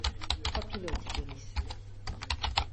Trois pilotes y périssent.